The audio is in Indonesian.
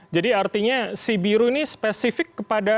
jadi artinya sibiru ini spesifik kepada